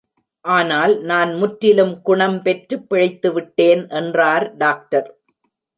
ஆனால், நான் முற்றிலும் குணம் பெற்று, பிழைத்துவிட்டேன் என்றார் டாக்டர்.